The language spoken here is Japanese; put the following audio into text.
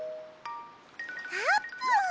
あーぷん！